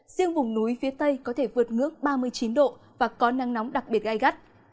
riêng vùng núi phía tây có thể vượt ngưỡng ba mươi chín độ và có nắng nóng đặc biệt gai gắt